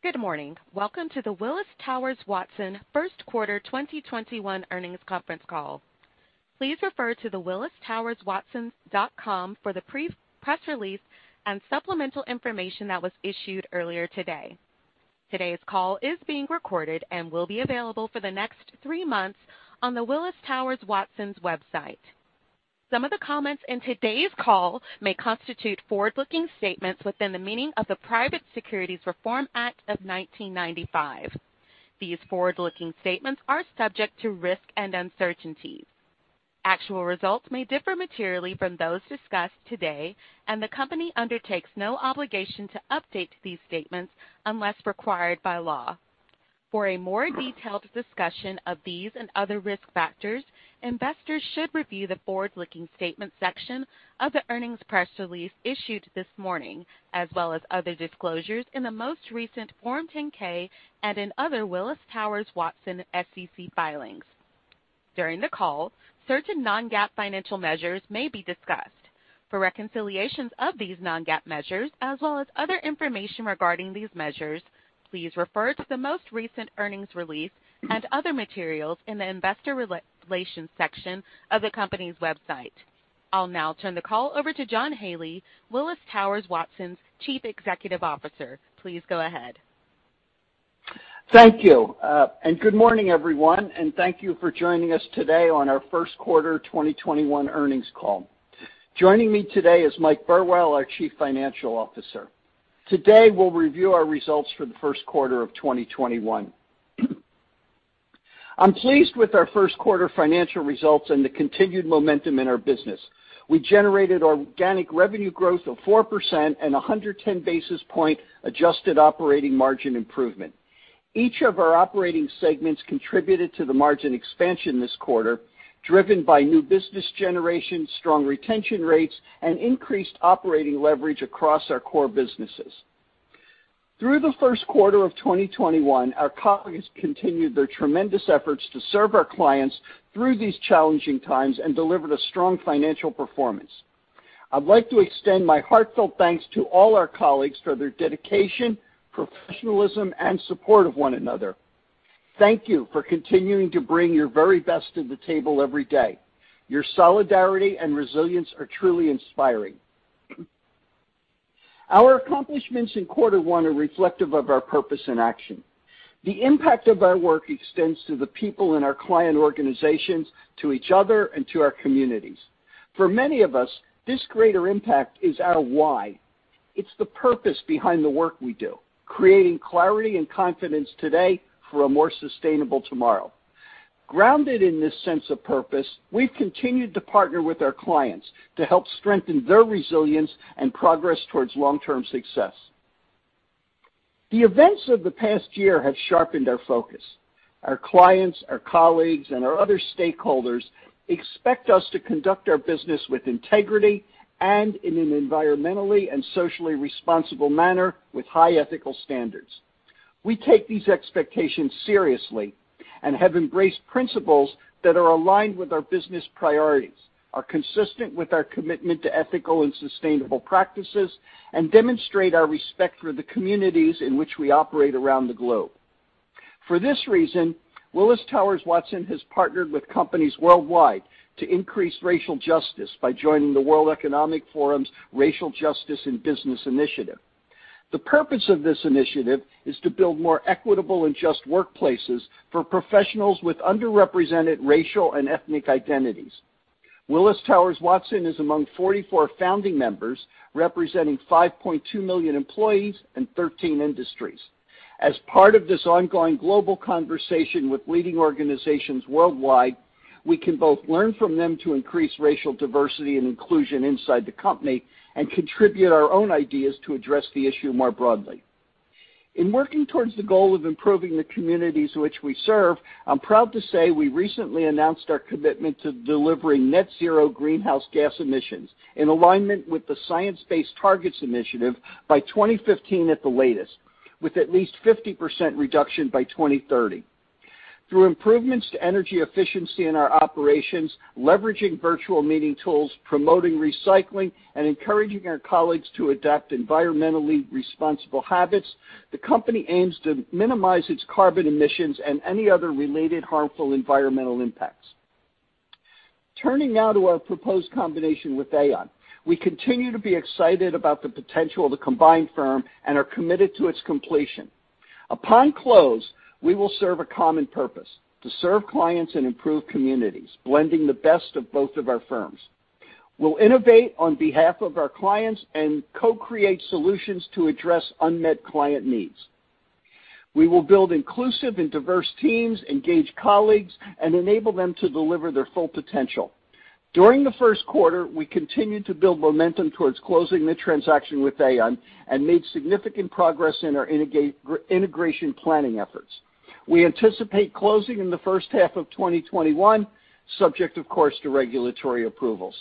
Good morning. Welcome to the Willis Towers Watson First Quarter 2021 Earnings Conference Call. Please refer to the willistowerswatson.com for the press release and supplemental information that was issued earlier today. Today's call is being recorded and will be available for the next three months on the Willis Towers Watson's website. Some of the comments in today's call may constitute forward-looking statements within the meaning of the Private Securities Litigation Reform Act of 1995. These forward-looking statements are subject to risk and uncertainties. Actual results may differ materially from those discussed today. The company undertakes no obligation to update these statements unless required by law. For a more detailed discussion of these and other risk factors, investors should review the forward-looking statements section of the earnings press release issued this morning, as well as other disclosures in the most recent Form 10-K and in other Willis Towers Watson SEC filings. During the call, certain non-GAAP financial measures may be discussed. For reconciliations of these non-GAAP measures, as well as other information regarding these measures, please refer to the most recent earnings release and other materials in the investor relations section of the company's website. I'll now turn the call over to John Haley, Willis Towers Watson's Chief Executive Officer. Please go ahead. Thank you. Good morning, everyone, and thank you for joining us today on our first quarter 2021 earnings call. Joining me today is Mike Burwell, our Chief Financial Officer. Today, we'll review our results for the first quarter of 2021. I'm pleased with our first quarter financial results and the continued momentum in our business. We generated organic revenue growth of 4% and 110 basis point adjusted operating margin improvement. Each of our operating segments contributed to the margin expansion this quarter, driven by new business generation, strong retention rates, and increased operating leverage across our core businesses. Through the first quarter of 2021, our colleagues continued their tremendous efforts to serve our clients through these challenging times and delivered a strong financial performance. I'd like to extend my heartfelt thanks to all our colleagues for their dedication, professionalism, and support of one another. Thank you for continuing to bring your very best to the table every day. Your solidarity and resilience are truly inspiring. Our accomplishments in quarter one are reflective of our purpose in action. The impact of our work extends to the people in our client organizations, to each other, and to our communities. For many of us, this greater impact is our why. It's the purpose behind the work we do, creating clarity and confidence today for a more sustainable tomorrow. Grounded in this sense of purpose, we've continued to partner with our clients to help strengthen their resilience and progress towards long-term success. The events of the past year have sharpened our focus. Our clients, our colleagues, and our other stakeholders expect us to conduct our business with integrity and in an environmentally and socially responsible manner with high ethical standards. We take these expectations seriously and have embraced principles that are aligned with our business priorities, are consistent with our commitment to ethical and sustainable practices, and demonstrate our respect for the communities in which we operate around the globe. For this reason, Willis Towers Watson has partnered with companies worldwide to increase racial justice by joining the World Economic Forum's Racial Justice in Business initiative. The purpose of this initiative is to build more equitable and just workplaces for professionals with underrepresented racial and ethnic identities. Willis Towers Watson is among 44 founding members, representing 5.2 million employees and 13 industries. As part of this ongoing global conversation with leading organizations worldwide, we can both learn from them to increase racial diversity and inclusion inside the company and contribute our own ideas to address the issue more broadly. In working towards the goal of improving the communities which we serve, I'm proud to say we recently announced our commitment to delivering net zero greenhouse gas emissions in alignment with the Science-Based Targets initiative by 2050 at the latest, with at least 50% reduction by 2030. Through improvements to energy efficiency in our operations, leveraging virtual meeting tools, promoting recycling, and encouraging our colleagues to adopt environmentally responsible habits, the company aims to minimize its carbon emissions and any other related harmful environmental impacts. Turning now to our proposed combination with Aon. We continue to be excited about the potential of the combined firm and are committed to its completion. Upon close, we will serve a common purpose: to serve clients and improve communities, blending the best of both of our firms. We'll innovate on behalf of our clients and co-create solutions to address unmet client needs. We will build inclusive and diverse teams, engage colleagues, and enable them to deliver their full potential. During the first quarter, we continued to build momentum towards closing the transaction with Aon and made significant progress in our integration planning efforts. We anticipate closing in the first half of 2021, subject of course to regulatory approvals.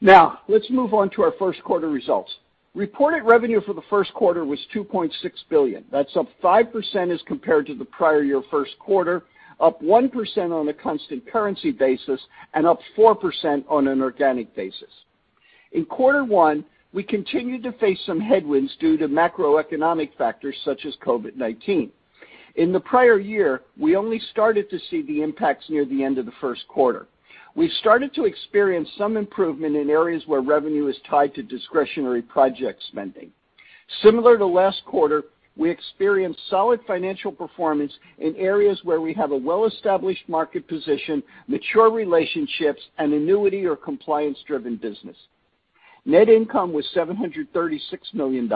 Let's move on to our first quarter results. Reported revenue for the first quarter was $2.6 billion. That's up 5% as compared to the prior year first quarter, up 1% on a constant currency basis, and up 4% on an organic basis. In quarter one, we continued to face some headwinds due to macroeconomic factors such as COVID-19. In the prior year, we only started to see the impacts near the end of the first quarter. We started to experience some improvement in areas where revenue is tied to discretionary project spending. Similar to last quarter, we experienced solid financial performance in areas where we have a well-established market position, mature relationships, and annuity or compliance-driven business. Net income was $736 million,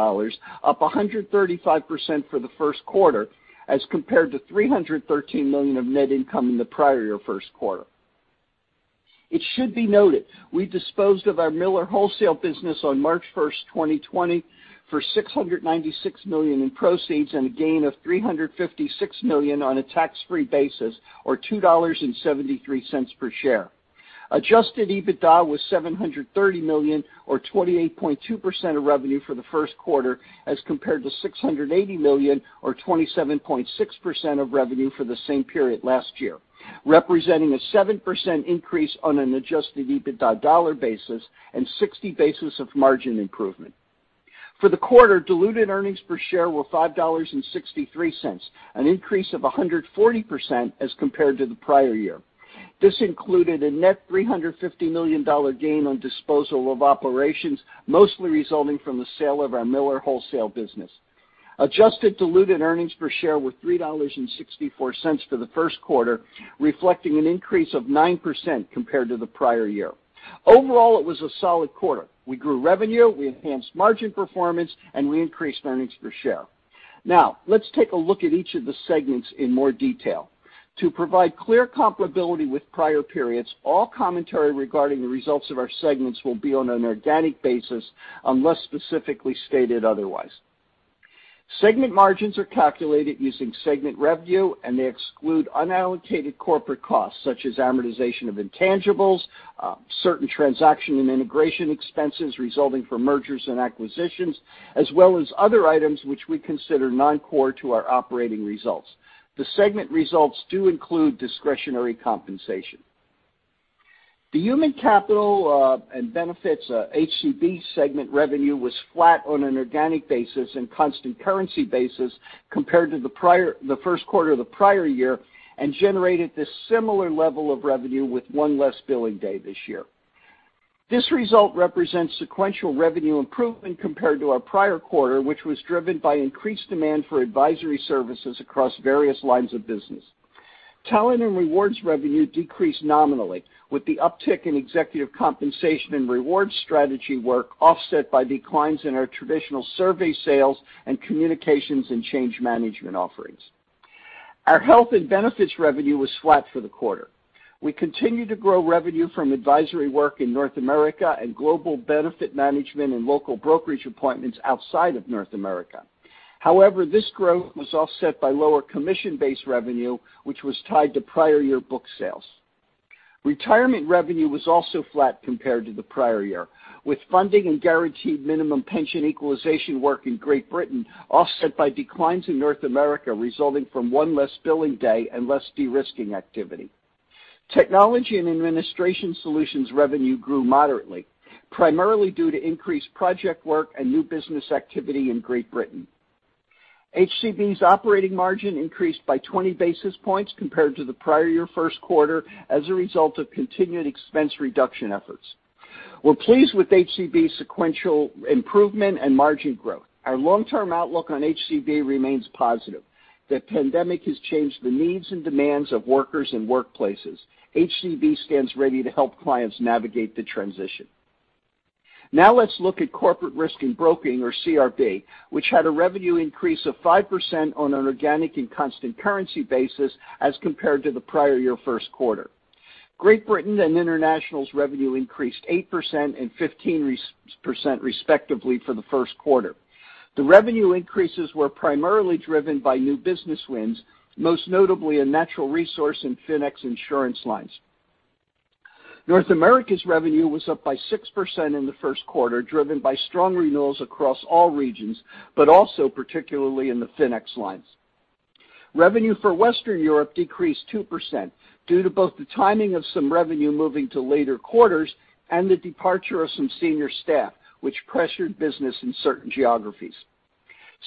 up 135% for the first quarter as compared to $313 million of net income in the prior year first quarter. It should be noted, we disposed of our Miller wholesale business on March 1st, 2020 for $696 million in proceeds and a gain of $356 million on a tax-free basis or $2.73 per share. Adjusted EBITDA was $730 million or 28.2% of revenue for the first quarter, as compared to $680 million or 27.6% of revenue for the same period last year, representing a 7% increase on an adjusted EBITDA dollar basis and 60 basis of margin improvement. For the quarter, diluted earnings per share were $5.63, an increase of 140% as compared to the prior year. This included a net $350 million gain on disposal of operations, mostly resulting from the sale of our Miller wholesale business. Adjusted diluted earnings per share were $3.64 for the first quarter, reflecting an increase of 9% compared to the prior year. Overall, it was a solid quarter. We grew revenue, we enhanced margin performance, and we increased earnings per share. Let's take a look at each of the segments in more detail. To provide clear comparability with prior periods, all commentary regarding the results of our segments will be on an organic basis unless specifically stated otherwise. Segment margins are calculated using segment revenue, and they exclude unallocated corporate costs such as amortization of intangibles, certain transaction and integration expenses resulting from mergers and acquisitions, as well as other items which we consider non-core to our operating results. The segment results do include discretionary compensation. The Human Capital and Benefits, HCB segment revenue was flat on an organic basis and constant currency basis compared to the first quarter of the prior year and generated a similar level of revenue with one less billing day this year. This result represents sequential revenue improvement compared to our prior quarter, which was driven by increased demand for advisory services across various lines of business. Talent and rewards revenue decreased nominally with the uptick in executive compensation and rewards strategy work offset by declines in our traditional survey sales and communications and change management offerings. Our health and benefits revenue was flat for the quarter. We continue to grow revenue from advisory work in North America and global benefit management and local brokerage appointments outside of North America. This growth was offset by lower commission-based revenue, which was tied to prior year book sales. Retirement revenue was also flat compared to the prior year, with funding and guaranteed minimum pension equalization work in Great Britain offset by declines in North America resulting from one less billing day and less de-risking activity. Technology and administration solutions revenue grew moderately, primarily due to increased project work and new business activity in Great Britain. HCB's operating margin increased by 20 basis points compared to the prior year first quarter as a result of continued expense reduction efforts. We're pleased with HCB's sequential improvement and margin growth. Our long-term outlook on HCB remains positive. The pandemic has changed the needs and demands of workers and workplaces. HCB stands ready to help clients navigate the transition. Now let's look at Corporate Risk and Broking, or CRB, which had a revenue increase of 5% on an organic and constant currency basis as compared to the prior year first quarter. Great Britain and International's revenue increased 8% and 15%, respectively, for the first quarter. The revenue increases were primarily driven by new business wins, most notably in natural resource and FINEX insurance lines. North America's revenue was up by 6% in the first quarter, driven by strong renewals across all regions, but also particularly in the FINEX lines. Revenue for Western Europe decreased 2% due to both the timing of some revenue moving to later quarters and the departure of some senior staff, which pressured business in certain geographies.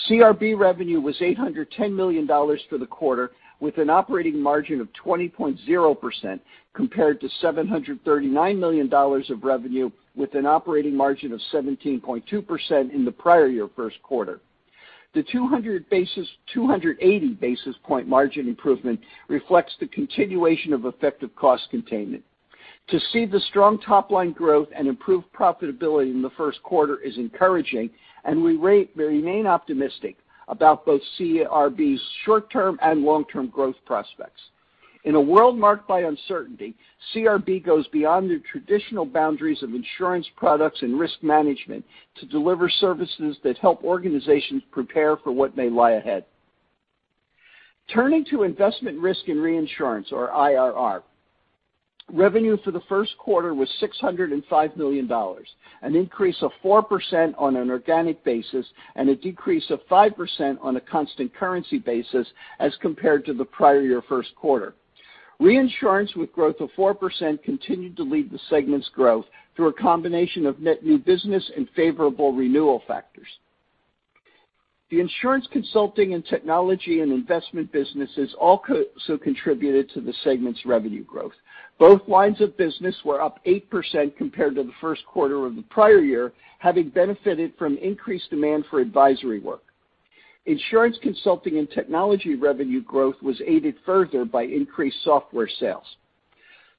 CRB revenue was $810 million for the quarter, with an operating margin of 20.0%, compared to $739 million of revenue with an operating margin of 17.2% in the prior year first quarter. The 280 basis point margin improvement reflects the continuation of effective cost containment. To see the strong top-line growth and improved profitability in the first quarter is encouraging. We remain optimistic about both CRB's short-term and long-term growth prospects. In a world marked by uncertainty, CRB goes beyond the traditional boundaries of insurance products and risk management to deliver services that help organizations prepare for what may lie ahead. Turning to investment risk and reinsurance, or IRR. Revenue for the first quarter was $605 million, an increase of 4% on an organic basis and a decrease of 5% on a constant currency basis as compared to the prior year first quarter. Reinsurance with growth of 4% continued to lead the segment's growth through a combination of net new business and favorable renewal factors. The insurance consulting and technology and investment businesses also contributed to the segment's revenue growth. Both lines of business were up 8% compared to the first quarter of the prior year, having benefited from increased demand for advisory work. Insurance consulting and technology revenue growth was aided further by increased software sales.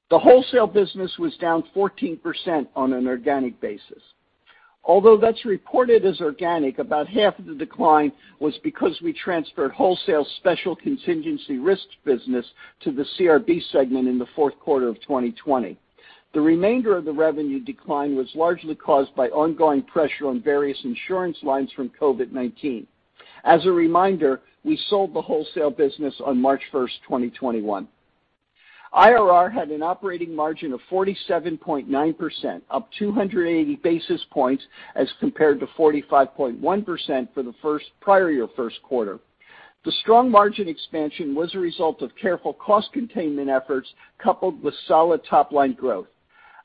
The wholesale business was down 14% on an organic basis. Although that's reported as organic, about half of the decline was because we transferred wholesale special contingency risks business to the CRB segment in the fourth quarter of 2020. The remainder of the revenue decline was largely caused by ongoing pressure on various insurance lines from COVID-19. As a reminder, we sold the wholesale business on March 1st, 2021. IRR had an operating margin of 47.9%, up 280 basis points as compared to 45.1% for the first prior year first quarter. The strong margin expansion was a result of careful cost containment efforts, coupled with solid top-line growth.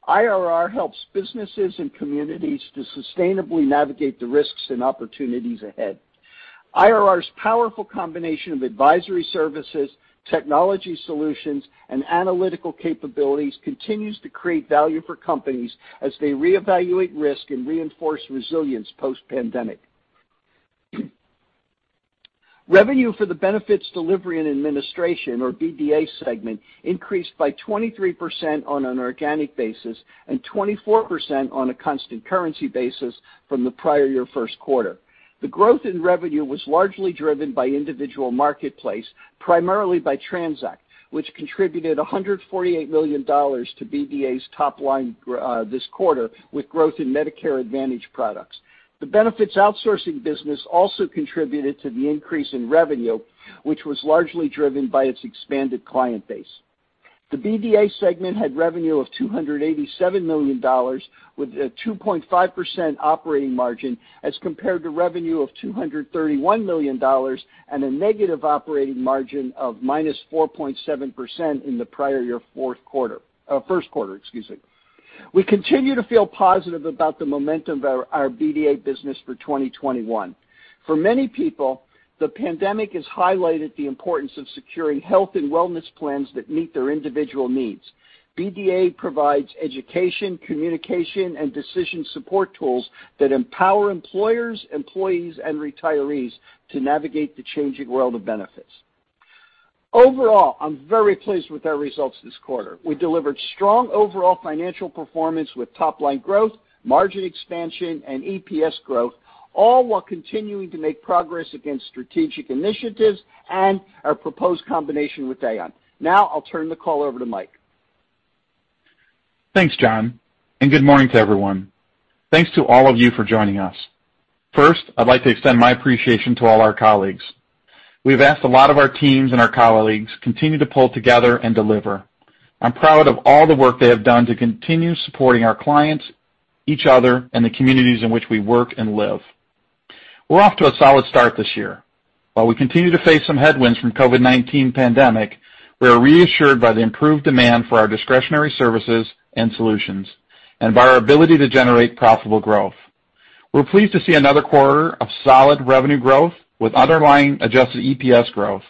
IRR helps businesses and communities to sustainably navigate the risks and opportunities ahead. IRR's powerful combination of advisory services, technology solutions, and analytical capabilities continues to create value for companies as they reevaluate risk and reinforce resilience post-pandemic. Revenue for the benefits delivery and administration, or BDA segment, increased by 23% on an organic basis and 24% on a constant currency basis from the prior year first quarter. The growth in revenue was largely driven by individual marketplace, primarily by TRANZACT, which contributed $148 million to BDA's top line this quarter with growth in Medicare Advantage products. The benefits outsourcing business also contributed to the increase in revenue, which was largely driven by its expanded client base. The BDA segment had revenue of $287 million with a 2.5% operating margin, as compared to revenue of $231 million and a negative operating margin of -4.7% in the prior year, first quarter, excuse me. We continue to feel positive about the momentum of our BDA business for 2021. For many people, the pandemic has highlighted the importance of securing health and wellness plans that meet their individual needs. BDA provides education, communication, and decision support tools that empower employers, employees, and retirees to navigate the changing world of benefits. Overall, I'm very pleased with our results this quarter. We delivered strong overall financial performance with top-line growth, margin expansion, and EPS growth, all while continuing to make progress against strategic initiatives and our proposed combination with Aon. I'll turn the call over to Mike. Thanks, John, and good morning to everyone. Thanks to all of you for joining us. First, I'd like to extend my appreciation to all our colleagues. We've asked a lot of our teams and our colleagues continue to pull together and deliver. I'm proud of all the work they have done to continue supporting our clients, each other, and the communities in which we work and live. We're off to a solid start this year. While we continue to face some headwinds from COVID-19 pandemic, we are reassured by the improved demand for our discretionary services and solutions and by our ability to generate profitable growth. We're pleased to see another quarter of solid revenue growth with underlying adjusted EPS growth.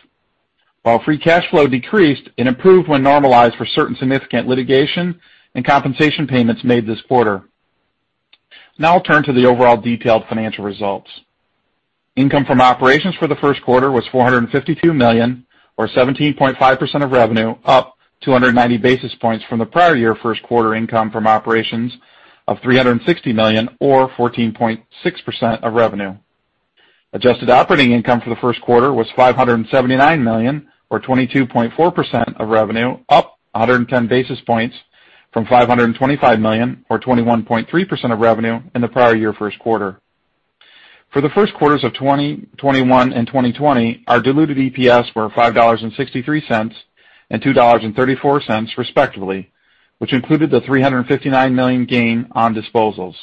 While free cash flow decreased, it improved when normalized for certain significant litigation and compensation payments made this quarter. I'll turn to the overall detailed financial results. Income from operations for the first quarter was $452 million, or 17.5% of revenue up 290 basis points from the prior year first quarter income from operations of $360 million or 14.6% of revenue. Adjusted operating income for the first quarter was $579 million, or 22.4% of revenue, up 110 basis points from $525 million or 21.3% of revenue in the prior year first quarter. For the first quarters of 2021 and 2020, our diluted EPS were $5.63 and $2.34, respectively, which included the $359 million gain on disposals.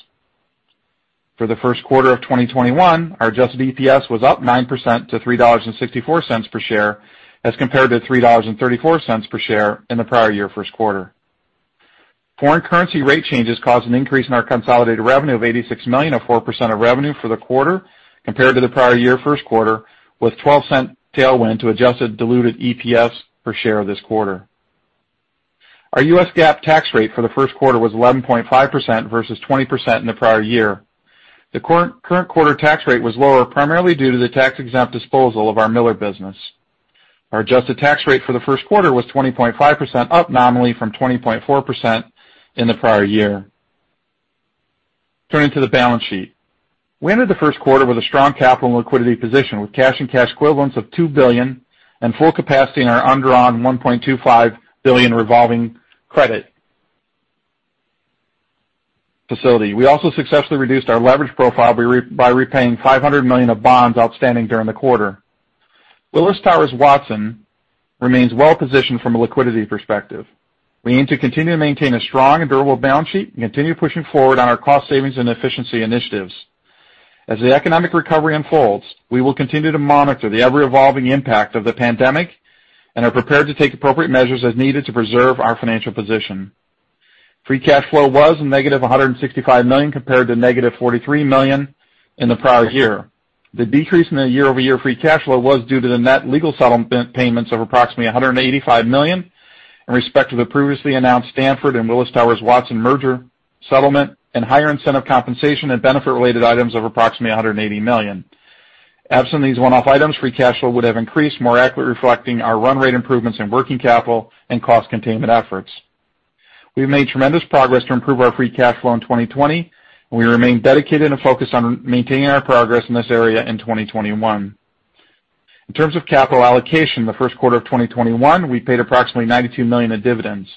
For the first quarter of 2021, our adjusted EPS was up 9% to $3.64 per share as compared to $3.34 per share in the prior year first quarter. Foreign currency rate changes caused an increase in our consolidated revenue of $86 million, or 4% of revenue for the quarter compared to the prior year first quarter, with $0.12 tailwind to adjusted diluted EPS this quarter. Our US GAAP tax rate for the first quarter was 11.5% versus 20% in the prior year. The current quarter tax rate was lower, primarily due to the tax-exempt disposal of our Miller business. Our adjusted tax rate for the first quarter was 20.5%, up nominally from 20.4% in the prior year. Turning to the balance sheet. We entered the first quarter with a strong capital and liquidity position, with cash and cash equivalents of $2 billion and full capacity in our undrawn $1.25 billion revolving credit facility. We also successfully reduced our leverage profile by repaying $500 million of bonds outstanding during the quarter. Willis Towers Watson remains well-positioned from a liquidity perspective. We aim to continue to maintain a strong and durable balance sheet and continue pushing forward on our cost savings and efficiency initiatives. As the economic recovery unfolds, we will continue to monitor the ever-evolving impact of the pandemic and are prepared to take appropriate measures as needed to preserve our financial position. Free cash flow was a negative $165 million compared to negative $43 million in the prior year. The decrease in the year-over-year free cash flow was due to the net legal settlement payments of approximately $185 million in respect to the previously announced Stanford and Willis Towers Watson merger settlement, and higher incentive compensation and benefit related items of approximately $180 million. Absent these one-off items, free cash flow would have increased more accurately reflecting our run rate improvements in working capital and cost containment efforts. We've made tremendous progress to improve our free cash flow in 2020, and we remain dedicated and focused on maintaining our progress in this area in 2021. In terms of capital allocation, the first quarter of 2021, we paid approximately $92 million in dividends.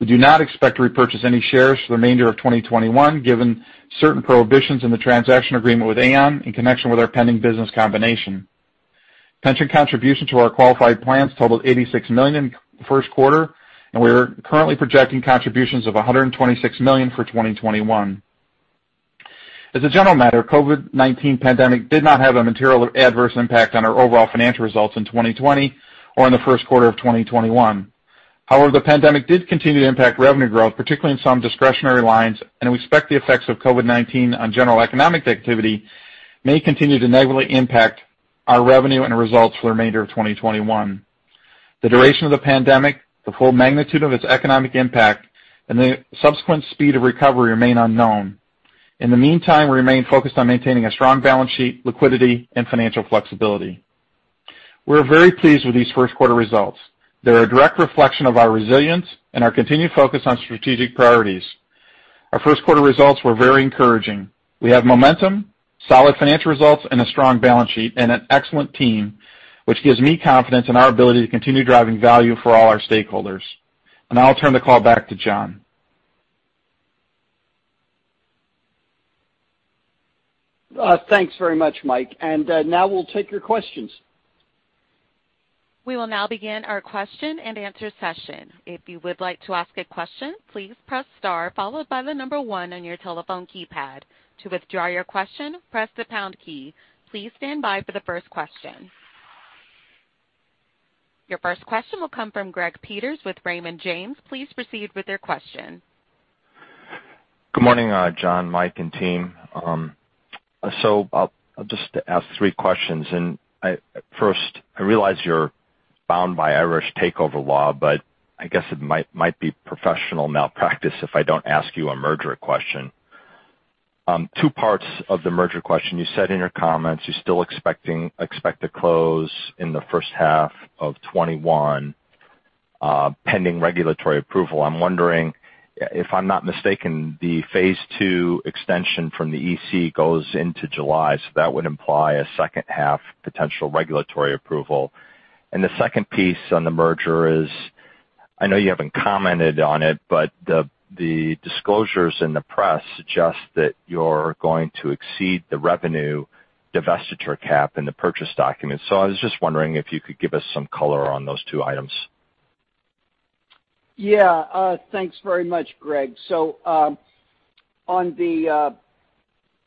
We do not expect to repurchase any shares for the remainder of 2021, given certain prohibitions in the transaction agreement with Aon in connection with our pending business combination. Pension contributions to our qualified plans totaled $86 million first quarter, and we're currently projecting contributions of $126 million for 2021. As a general matter, COVID-19 pandemic did not have a material adverse impact on our overall financial results in 2020 or in the first quarter of 2021. The pandemic did continue to impact revenue growth, particularly in some discretionary lines, and we expect the effects of COVID-19 on general economic activity may continue to negatively impact our revenue and results for the remainder of 2021. The duration of the pandemic, the full magnitude of its economic impact, and the subsequent speed of recovery remain unknown. In the meantime, we remain focused on maintaining a strong balance sheet, liquidity, and financial flexibility. We're very pleased with these first quarter results. They're a direct reflection of our resilience and our continued focus on strategic priorities. Our first quarter results were very encouraging. We have momentum, solid financial results, a strong balance sheet, and an excellent team, which gives me confidence in our ability to continue driving value for all our stakeholders. I'll turn the call back to John. Thanks very much, Mike. Now we'll take your questions. We will now begin our question-and-answer session. If you would like to ask a question, please press star followed by the number one on your telephone keypad. To withdraw your question, press the pound key. Please stand by for the first question. Your first question will come from Greg Peters with Raymond James. Please proceed with your question. Good morning, John, Mike, and team. I'll just ask three questions. First, I realize you're bound by Irish takeover law, but I guess it might be professional malpractice if I don't ask you a merger question. Two parts of the merger question. You said in your comments you still expect to close in the first half of 2021, pending regulatory approval. I'm wondering, if I'm not mistaken, the phase two extension from the EC goes into July, so that would imply a second half potential regulatory approval. The second piece on the merger is, I know you haven't commented on it, but the disclosures in the press suggest that you're going to exceed the revenue divestiture cap in the purchase document. I was just wondering if you could give us some color on those two items. Yeah. Thanks very much, Greg.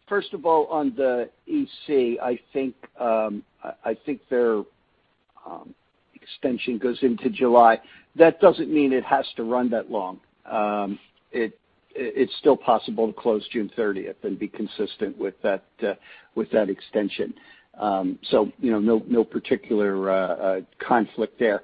First of all, on the EC, I think their extension goes into July. That doesn't mean it has to run that long. It's still possible to close June 30th and be consistent with that extension. No particular conflict there.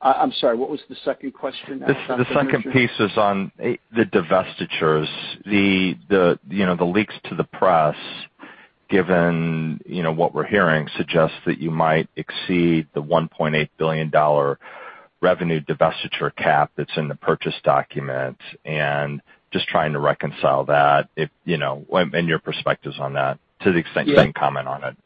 I'm sorry, what was the second question after the merger? The second piece is on the divestitures. The leaks to the press, given what we're hearing, suggest that you might exceed the $1.8 billion revenue divestiture cap that's in the purchase document. Just trying to reconcile that and your perspectives on that. You can comment on it.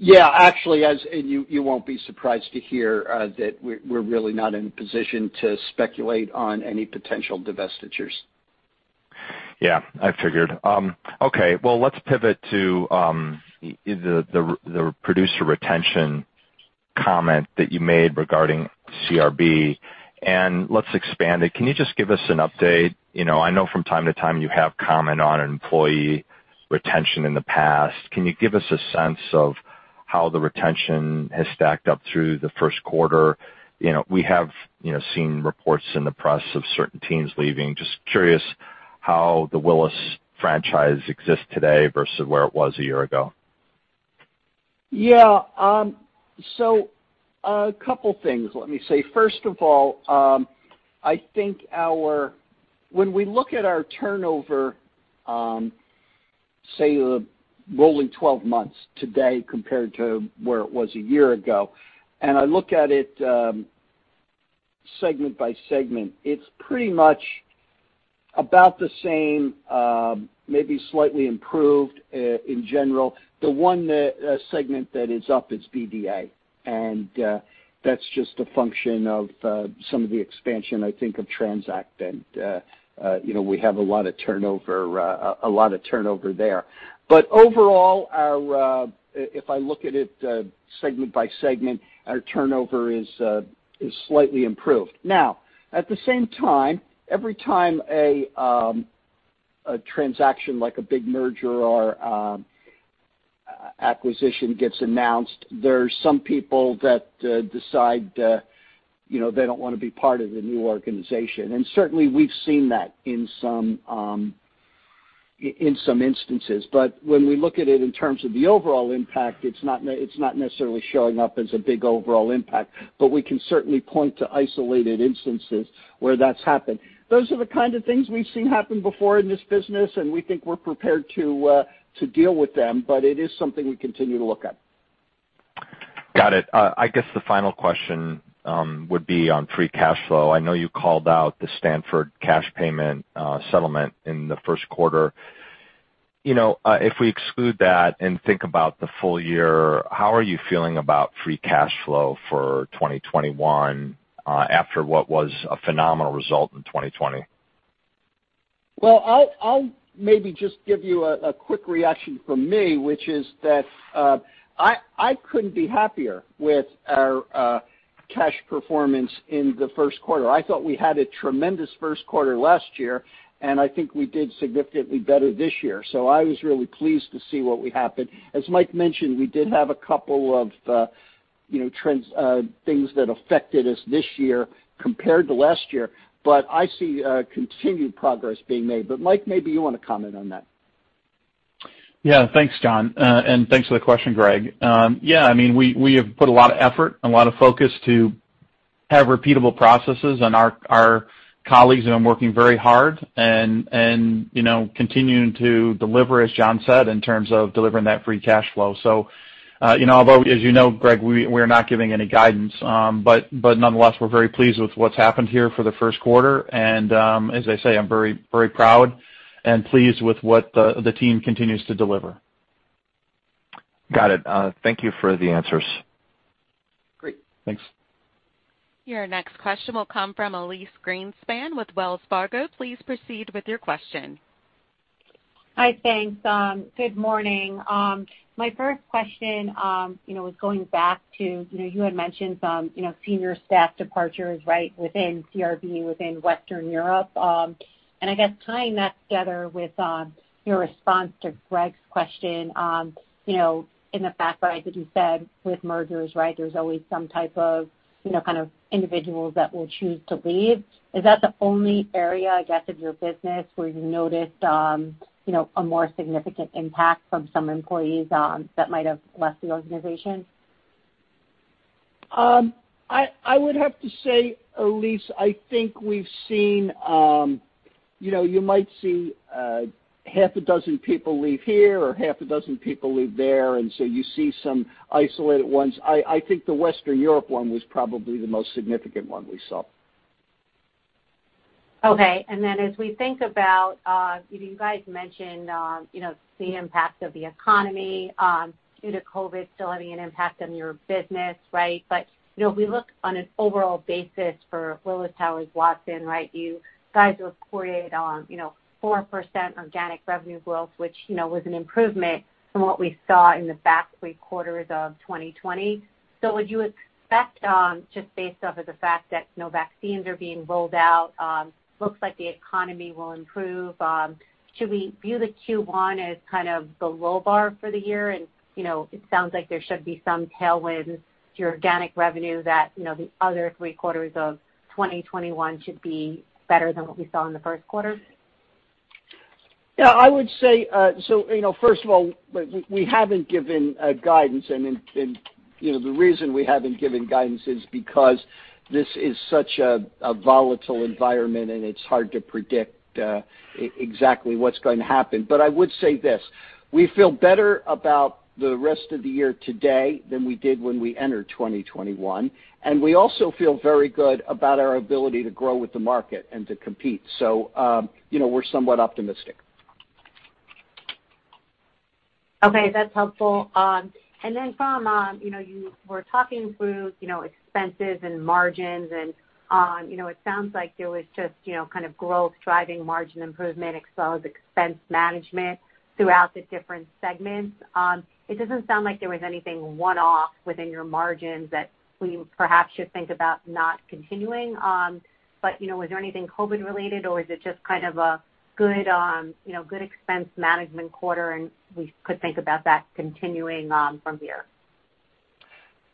Yeah. Actually, as you won't be surprised to hear, that we're really not in a position to speculate on any potential divestitures. Yeah, I figured. Okay. Let's pivot to the producer retention comment that you made regarding CRB, and let's expand it. Can you just give us an update? I know from time to time you have comment on employee retention in the past. Can you give us a sense of how the retention has stacked up through the first quarter? We have seen reports in the press of certain teams leaving. Just curious how the Willis franchise exists today versus where it was a year ago. Yeah. A couple of things. Let me say, first of all, I think when we look at our turnover, say, rolling 12 months today compared to where it was a year ago, and I look at it segment by segment, it's pretty much about the same, maybe slightly improved in general. The one segment that is up is BDA, and that's just a function of some of the expansion, I think, of TRANZACT and we have a lot of turnover there. Overall, if I look at it segment by segment, our turnover is slightly improved. Now, at the same time, every time a transaction like a big merger or acquisition gets announced, there are some people that decide they don't want to be part of the new organization. Certainly we've seen that in some instances. When we look at it in terms of the overall impact, it's not necessarily showing up as a big overall impact. We can certainly point to isolated instances where that's happened. Those are the kind of things we've seen happen before in this business, and we think we're prepared to deal with them, but it is something we continue to look at. Got it. I guess the final question would be on free cash flow. I know you called out the Stanford cash payment settlement in the first quarter. If we exclude that and think about the full year, how are you feeling about free cash flow for 2021 after what was a phenomenal result in 2020? I'll maybe just give you a quick reaction from me, which is that I couldn't be happier with our cash performance in the first quarter. I thought we had a tremendous first quarter last year, and I think we did significantly better this year. I was really pleased to see what happened. As Mike mentioned, we did have a couple of things that affected us this year compared to last year, but I see continued progress being made. Mike, maybe you want to comment on that. Yeah. Thanks, John. Thanks for the question, Greg. Yeah, we have put a lot of effort and a lot of focus to have repeatable processes, and our colleagues have been working very hard and continuing to deliver, as John said, in terms of delivering that free cash flow. Although, as you know, Greg, we're not giving any guidance. Nonetheless, we're very pleased with what's happened here for the first quarter. As I say, I'm very proud and pleased with what the team continues to deliver. Got it. Thank you for the answers. Great. Thanks. Your next question will come from Elyse Greenspan with Wells Fargo. Please proceed with your question. Hi. Thanks. Good morning. My first question was going back to you had mentioned some senior staff departures, right, within CRB, within Western Europe. I guess tying that together with your response to Greg's question, in the fact that you said with mergers, right, there's always some type of kind of individuals that will choose to leave. Is that the only area, I guess, of your business where you noticed a more significant impact from some employees that might have left the organization? I would have to say, Elyse, I think you might see half a dozen people leave here or half a dozen people leave there, and so you see some isolated ones. I think the Western Europe one was probably the most significant one we saw. Okay. As we think about, you guys mentioned the impact of the economy due to COVID still having an impact on your business, right? If we look on an overall basis for Willis Towers Watson, right, you guys reported on 4% organic revenue growth, which was an improvement from what we saw in the back three quarters of 2020. Would you expect, just based off of the fact that vaccines are being rolled out, looks like the economy will improve, should we view the Q1 as kind of the low bar for the year? It sounds like there should be some tailwinds to your organic revenue that the other three quarters of 2021 should be better than what we saw in the first quarter? Yeah, I would say, first of all, we haven't given guidance. The reason we haven't given guidance is because this is such a volatile environment and it's hard to predict exactly what's going to happen. I would say this: We feel better about the rest of the year today than we did when we entered 2021. We also feel very good about our ability to grow with the market and to compete. We're somewhat optimistic. Okay, that's helpful. Then from you were talking through expenses and margins, and it sounds like there was just kind of growth driving margin improvement as well as expense management throughout the different segments. It doesn't sound like there was anything one-off within your margins that we perhaps should think about not continuing on. Was there anything COVID related, or is it just kind of a good expense management quarter and we could think about that continuing from here?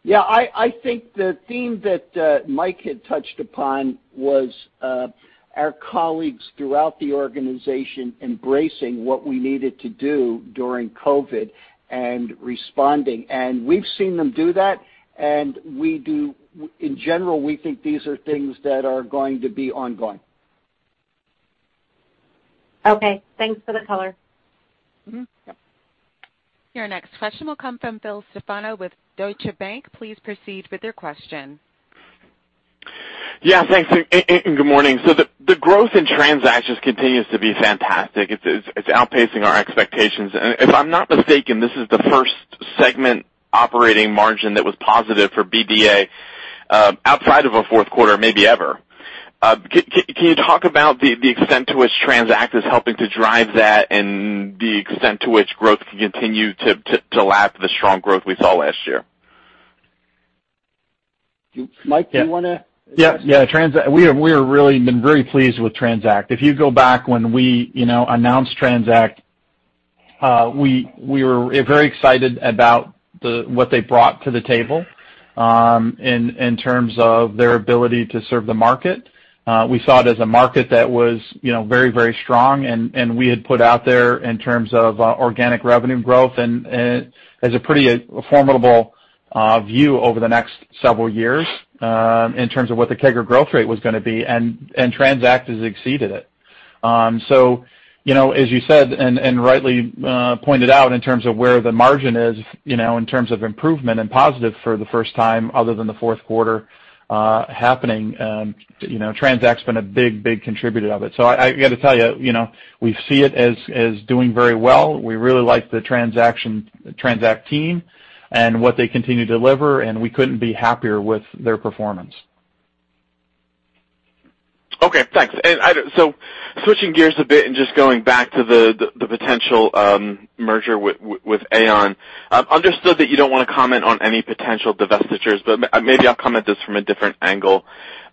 Yeah, I think the theme that Mike had touched upon was our colleagues throughout the organization embracing what we needed to do during COVID and responding. We've seen them do that, and in general, we think these are things that are going to be ongoing. Okay. Thanks for the color. Mm-hmm. Yep. Your next question will come from Phil Stefano with Deutsche Bank. Please proceed with your question. Thanks, and good morning. The growth in transactions continues to be fantastic. It's outpacing our expectations. If I'm not mistaken, this is the first segment operating margin that was positive for BDA outside of a fourth quarter, maybe ever. Can you talk about the extent to which TRANZACT is helping to drive that and the extent to which growth can continue to lap the strong growth we saw last year? Mike? Yeah. We have really been very pleased with TRANZACT. If you go back when we announced TRANZACT, we were very excited about what they brought to the table in terms of their ability to serve the market. We saw it as a market that was very strong, and we had put out there in terms of organic revenue growth as a pretty formidable view over the next several years in terms of what the CAGR growth rate was going to be, and TRANZACT has exceeded it. As you said, and rightly pointed out in terms of where the margin is in terms of improvement and positive for the first time, other than the fourth quarter happening, TRANZACT's been a big contributor of it. I got to tell you, we see it as doing very well. We really like the TRANZACT team and what they continue to deliver, and we couldn't be happier with their performance. Okay, thanks. Switching gears a bit and just going back to the potential merger with Aon. I've understood that you don't want to comment on any potential divestitures, but maybe I'll come at this from a different angle.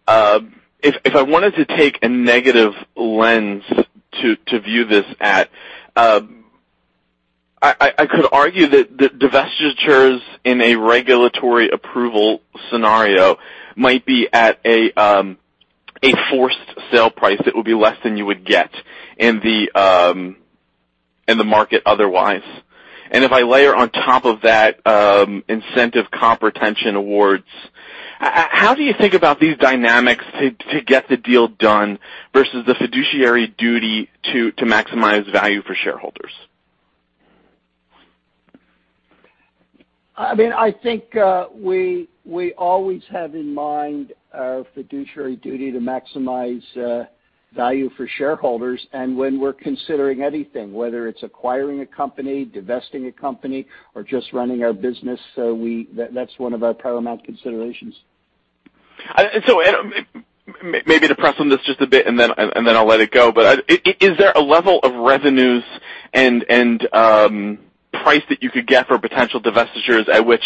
If I wanted to take a negative lens to view this at, I could argue that divestitures in a regulatory approval scenario might be at a forced sale price that will be less than you would get in the market otherwise. If I layer on top of that incentive comp retention awards, how do you think about these dynamics to get the deal done versus the fiduciary duty to maximize value for shareholders? I think we always have in mind our fiduciary duty to maximize value for shareholders. When we're considering anything, whether it's acquiring a company, divesting a company, or just running our business, that's one of our paramount considerations. Maybe to press on this just a bit, and then I'll let it go. Is there a level of revenues and price that you could get for potential divestitures at which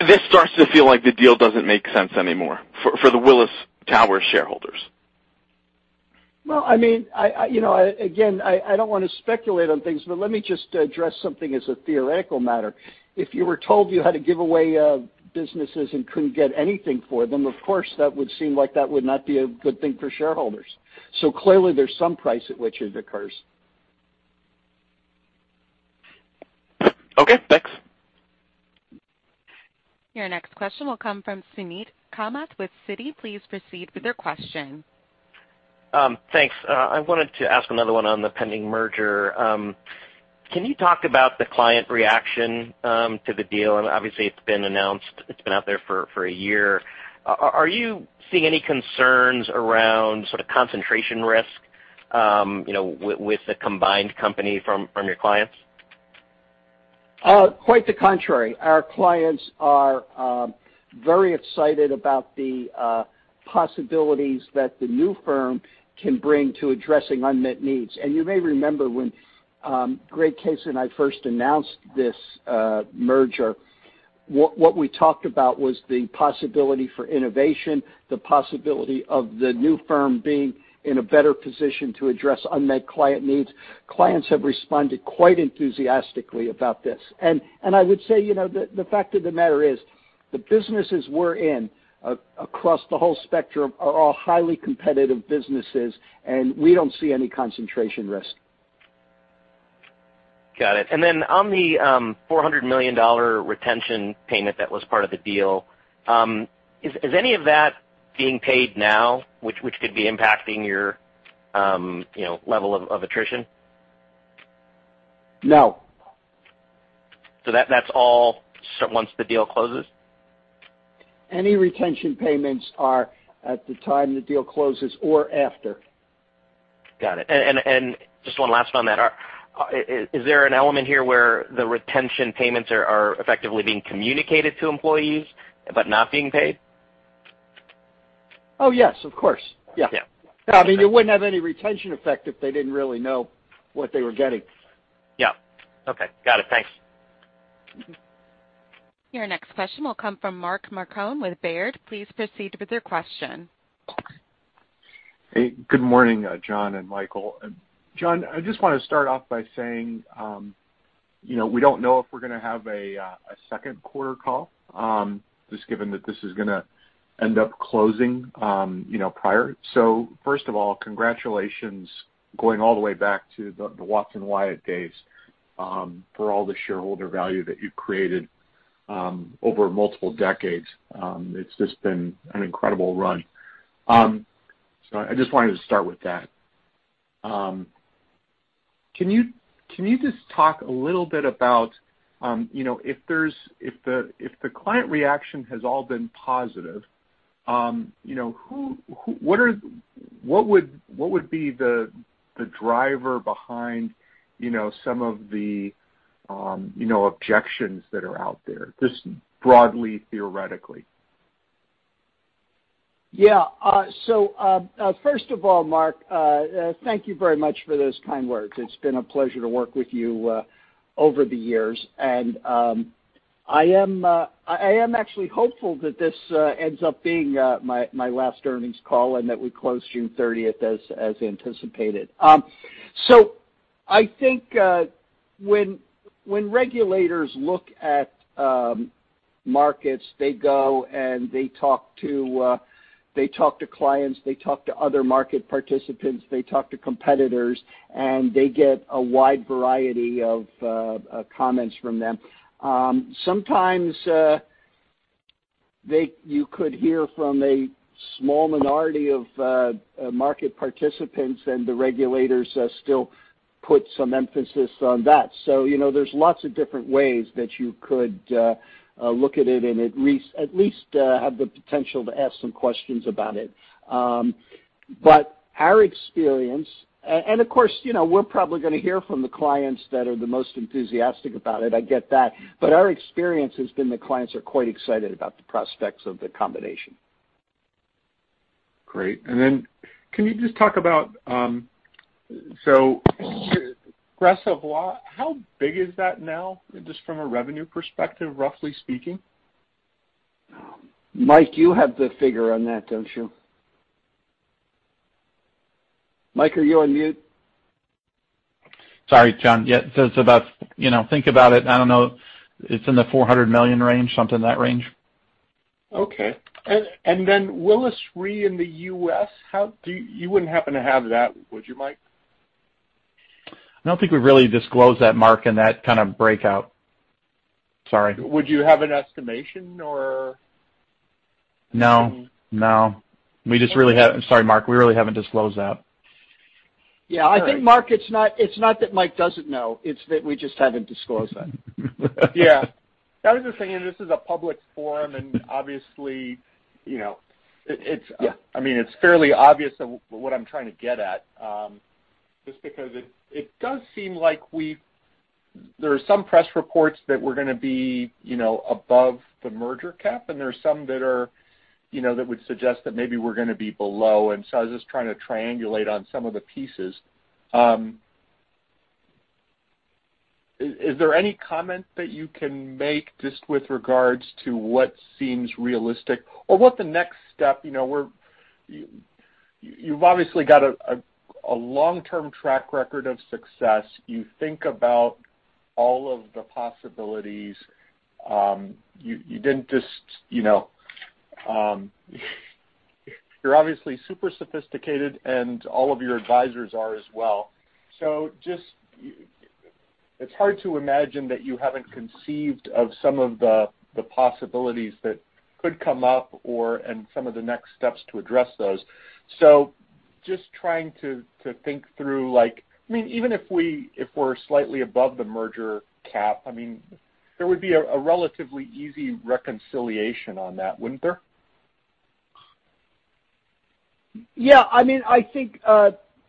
this starts to feel like the deal doesn't make sense anymore for the Willis Towers shareholders? Well, again, I don't want to speculate on things, but let me just address something as a theoretical matter. If you were told you had to give away businesses and couldn't get anything for them, of course, that would seem like that would not be a good thing for shareholders. Clearly, there's some price at which it occurs. Okay, thanks. Your next question will come from Suneet Kamath with Citi. Please proceed with your question. Thanks. I wanted to ask another one on the pending merger. Can you talk about the client reaction to the deal? Obviously, it's been announced, it's been out there for a year. Are you seeing any concerns around sort of concentration risk with the combined company from your clients? Quite the contrary. Our clients are very excited about the possibilities that the new firm can bring to addressing unmet needs. You may remember when Greg Case and I first announced this merger, what we talked about was the possibility for innovation, the possibility of the new firm being in a better position to address unmet client needs. Clients have responded quite enthusiastically about this. I would say, the fact of the matter is the businesses we're in across the whole spectrum are all highly competitive businesses, and we don't see any concentration risk. Got it. Then on the $400 million retention payment that was part of the deal, is any of that being paid now, which could be impacting your level of attrition? No. That's all once the deal closes? Any retention payments are at the time the deal closes or after. Got it. Just one last one on that. Is there an element here where the retention payments are effectively being communicated to employees but not being paid? Oh, yes, of course. Yeah. I mean, it wouldn't have any retention effect if they didn't really know what they were getting. Yeah. Okay. Got it. Thanks. Your next question will come from Mark Marcon with Baird. Please proceed with your question. Hey, good morning, John and Mike. John, I just want to start off by saying, we don't know if we're going to have a second quarter call, just given that this is going to end up closing prior. First of all, congratulations going all the way back to the Watson Wyatt days for all the shareholder value that you've created over multiple decades. It's just been an incredible run. I just wanted to start with that. Can you just talk a little bit about if the client reaction has all been positive, what would be the driver behind some of the objections that are out there? Just broadly, theoretically. First of all, Mark, thank you very much for those kind words. It's been a pleasure to work with you over the years. I am actually hopeful that this ends up being my last earnings call, and that we close June 30th as anticipated. I think when regulators look at markets, they go and they talk to clients, they talk to other market participants, they talk to competitors, and they get a wide variety of comments from them. Sometimes, you could hear from a small minority of market participants, and the regulators still put some emphasis on that. There's lots of different ways that you could look at it and at least have the potential to ask some questions about it. Our experience, and of course, we're probably going to hear from the clients that are the most enthusiastic about it, I get that, but our experience has been that clients are quite excited about the prospects of the combination. Great. Can you just talk about [reservoir], how big is that now, just from a revenue perspective, roughly speaking? Mike, you have the figure on that, don't you? Mike, are you on mute? Sorry, John. Yeah. It's about, think about it, I don't know. It's in the $400 million range, something in that range. Okay. Then Willis Re in the U.S., you wouldn't happen to have that, would you, Mike? I don't think we really disclose that, Mark, in that kind of breakout. Sorry. Would you have an estimation or? No. Sorry, Mark. We really haven't disclosed that. I think, Mark, it's not that Mike doesn't know, it's that we just haven't disclosed that. Yeah. I was just thinking this is a public forum, and obviously, it's fairly obvious what I'm trying to get at. Just because it does seem like there are some press reports that we're going to be above the merger cap, and there are some that would suggest that maybe we're going to be below. I was just trying to triangulate on some of the pieces. Is there any comment that you can make just with regards to what seems realistic or what the next step, you've obviously got a long-term track record of success. You think about all of the possibilities. You're obviously super sophisticated, and all of your advisors are as well. Just, it's hard to imagine that you haven't conceived of some of the possibilities that could come up and some of the next steps to address those. Just trying to think through, even if we're slightly above the merger cap, there would be a relatively easy reconciliation on that, wouldn't there?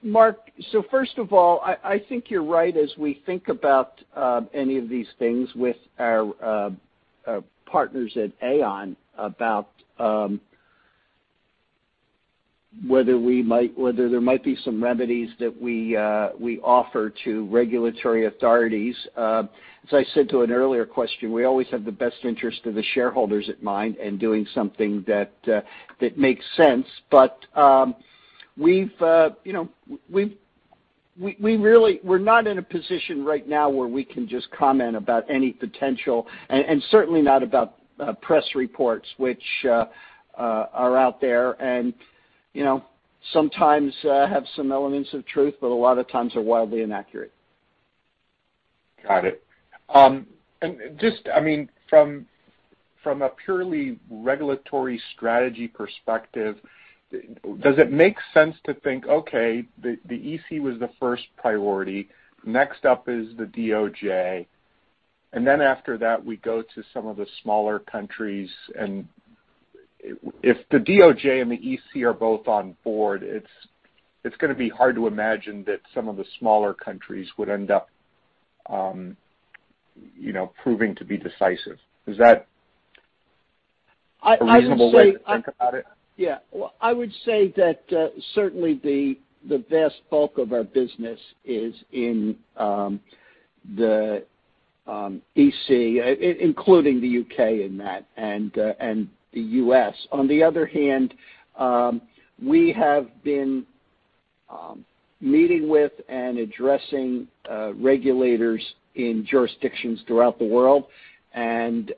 Mark, first of all, I think you're right as we think about any of these things with our partners at Aon about whether there might be some remedies that we offer to regulatory authorities. As I said to an earlier question, we always have the best interest of the shareholders at mind and doing something that makes sense. We're not in a position right now where we can just comment about any potential and certainly not about press reports, which are out there and sometimes have some elements of truth, but a lot of times are wildly inaccurate. Got it. Just from a purely regulatory strategy perspective, does it make sense to think, okay, the EC was the first priority. Next up is the DOJ. After that, we go to some of the smaller countries, and if the DOJ and the EC are both on board, it's going to be hard to imagine that some of the smaller countries would end up proving to be decisive. Is that a reasonable way to think about it? Yeah. I would say that certainly the vast bulk of our business is in the EC, including the U.K. in that, and the U.S. On the other hand, we have been meeting with and addressing regulators in jurisdictions throughout the world, and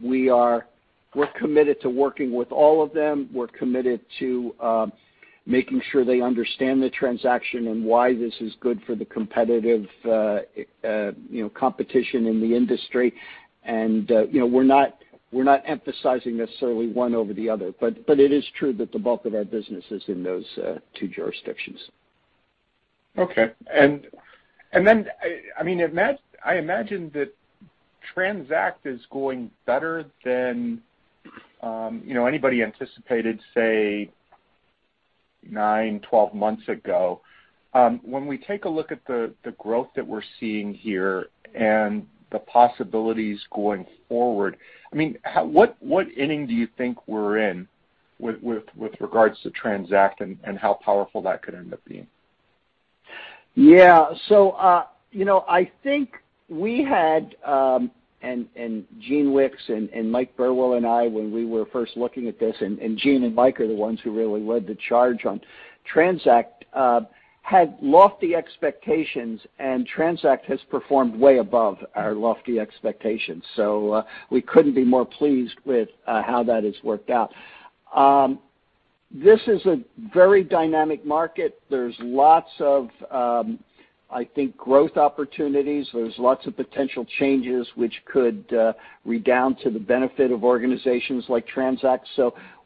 we're committed to working with all of them. We're committed to making sure they understand the transaction and why this is good for the competition in the industry. We're not emphasizing necessarily one over the other. It is true that the bulk of our business is in those two jurisdictions. Okay. I imagine that TRANZACT is going better than anybody anticipated, say nine, 12 months ago. When we take a look at the growth that we're seeing here and the possibilities going forward, what inning do you think we're in with regards to TRANZACT and how powerful that could end up being? Yeah. I think we had, and Gene Wickes and Mike Burwell and I, when we were first looking at this, and Gene and Mike are the ones who really led the charge on TRANZACT, had lofty expectations, and TRANZACT has performed way above our lofty expectations. We couldn't be more pleased with how that has worked out. This is a very dynamic market. There's lots of, I think, growth opportunities. There's lots of potential changes which could redound to the benefit of organizations like TRANZACT.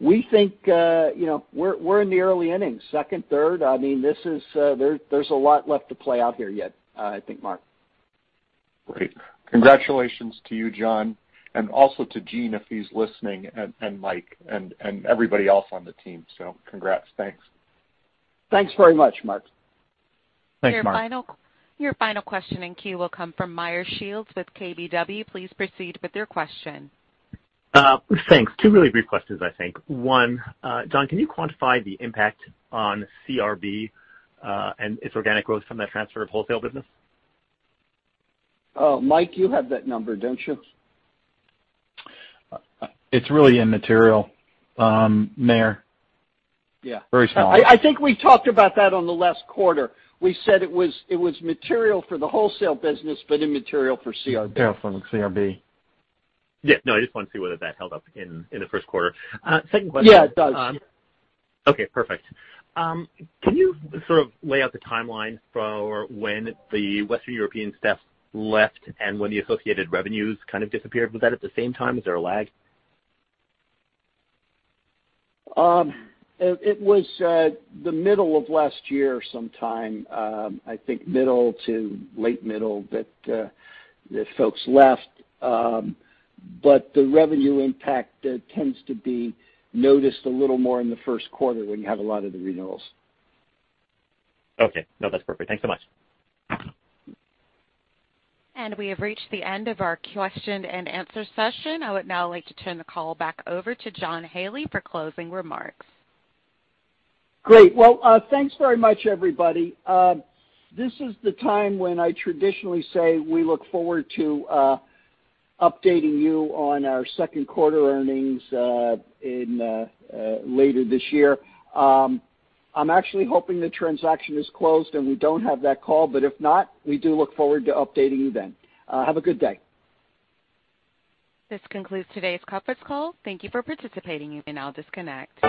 We think we're in the early innings, second, third. There's a lot left to play out here yet, I think, Mark. Great. Congratulations to you, John, and also to Gene, if he's listening, and Mike and everybody else on the team. Congrats. Thanks. Thanks very much, Mark. Thanks, Mark. Your final question in queue will come from Meyer Shields with KBW. Please proceed with your question. Thanks. Two really brief questions, I think. One, John, can you quantify the impact on CRB, and its organic growth from the transfer of wholesale business? Mike, you have that number, don't you? It's really immaterial, Meyer. Yeah. Very small. I think we talked about that on the last quarter. We said it was material for the wholesale business, but immaterial for CRB. Immaterial for CRB. Yeah. No, I just wanted to see whether that held up in the first quarter. Second question. Yeah, it does. Okay, perfect. Can you sort of lay out the timeline for when the Western European staff left and when the associated revenues kind of disappeared? Was that at the same time? Is there a lag? It was the middle of last year sometime, I think middle to late middle, that the folks left. The revenue impact tends to be noticed a little more in the first quarter when you have a lot of the renewals. Okay. No, that's perfect. Thanks so much. We have reached the end of our question and answer session. I would now like to turn the call back over to John Haley for closing remarks. Great. Well, thanks very much, everybody. This is the time when I traditionally say we look forward to updating you on our second quarter earnings later this year. I'm actually hoping the transaction is closed and we don't have that call, but if not, we do look forward to updating you then. Have a good day. This concludes today's conference call. Thank you for participating. You may now disconnect.